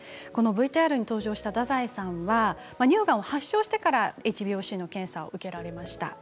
ＶＴＲに登場した太宰さんは乳がんを発症してからＨＢＯＣの検査を受けられました。